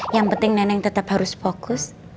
yang penting neneng tetap harus fokus